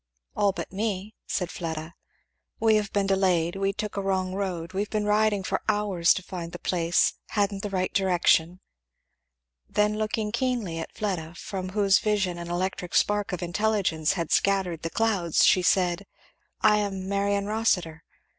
"All but me," said Fleda. "We have been delayed we took a wrong road we've been riding for hours to find the place hadn't the right direction." Then looking keenly at Fleda, from whose vision an electric spark of intelligence had scattered the clouds, she said; "I am Marion Rossitur."